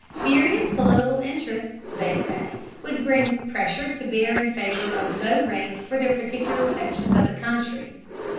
Various political interests, they say, would bring pressure to bear in favor of low rates for their particular sections of the country.